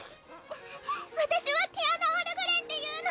私はティアナ＝オルグレンっていうの